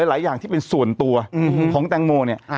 หลายอย่างที่เป็นส่วนตัวของแตงโมเนี่ย